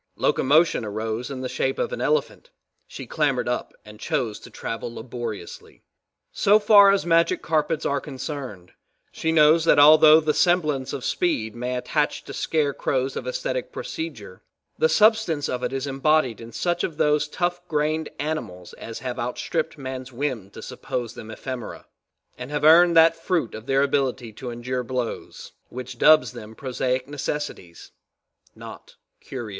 Locomotion arose in the shape of an elephant, she clambered up and chose to travel laboriously. So far as magic carpets are concerned, she knows that although the semblance of speed may attach to scarecrows of aesthetic procedure, the substance of it is embodied in such of those tough grained animals as have outstripped man's whim to suppose them ephemera, and have earned that fruit of their ability to endure blows, which dubs them prosaic necessities not curios.